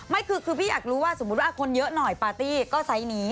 ไม่คือพี่อยากรู้ว่าสมมุติว่าคนเยอะหน่อยปาร์ตี้ก็ไซส์นี้